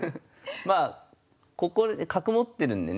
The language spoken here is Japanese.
まあ角持ってるんでね